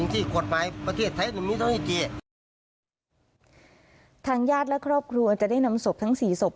ทางญาติและครอบครัวจะได้นำศพทั้งสี่ศพ